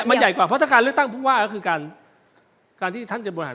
มันใหญ่กว่าเพราะถ้าการเลือกตั้งพุ่งว่าแล้วก็คือการที่ท่านจะบนอาหาร